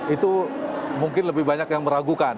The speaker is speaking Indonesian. itu mungkin lebih banyak yang meragukan